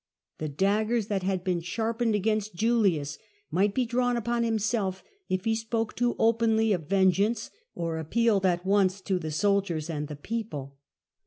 The daggers that had been sharpened against Julius might be drawn upon himself, if he spoke too openly of vengeance, or appealed at once to the soldiers and the people.